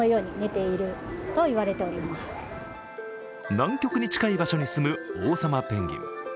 南極に近い場所に住むオウサマペンギン。